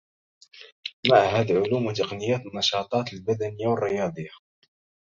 معهد علوم وتقنيات النشاطات البدنية و الرياضية